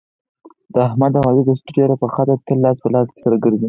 د احمد او علي دوستي ډېره پخه ده تل لاس په لاس سره ګرځي.